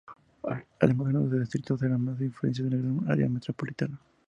Además, es uno de los distritos con más afluencia del Gran Área Metropolitana.